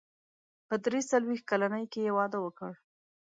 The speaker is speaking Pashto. په درې څلوېښت کلنۍ کې يې واده وکړ.